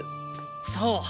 そう！